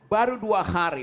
baru dua hari